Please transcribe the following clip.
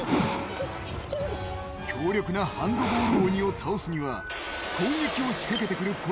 強力なハンドボール鬼を倒すには攻撃を仕掛けてくる